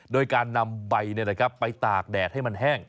โดยการนำใบไปตากแดดให้มันแห้ง